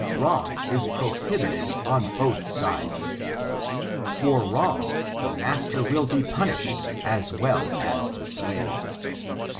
Wrong is pro hibited on both sides. For wrong, the master will be punished as well as the slave.